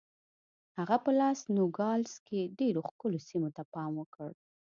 هغه په لاس نوګالس کې ډېرو ښکلو سیمو ته پام وکړ.